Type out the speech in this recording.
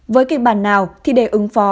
với kịch bản nào thì để ứng phó